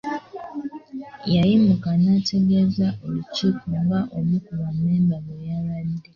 Yayimuka n'ategeeza olukiiko nga omu ku bammemba bwe yalwadde.